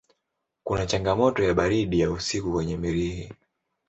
Kuna changamoto ya baridi ya usiku kwenye Mirihi.